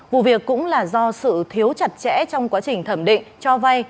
vụ việc cũng là do sự thiếu chặt chẽ trong quá trình thẩm định cho vay